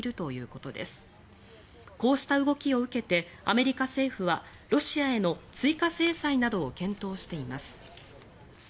こうした動きを受けてアメリカ政府はロシアへの追加制裁などを検討しています。